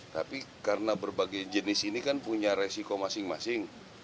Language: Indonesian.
tapi karena berbagai jenis ini kan punya resiko masing masing